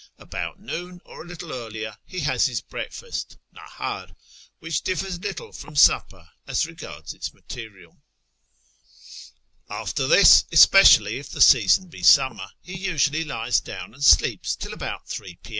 About noon, or a little earlier, he has his breakfast {nahdr), which 112 yl YEAR AMONGST THE PERSIANS dilTers littlo from supper as regards its material. After this, especially if the season be siinimer, he usually lies down and sleeps till about 3 p.